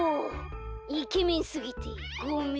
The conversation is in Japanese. イケメンすぎてごめん。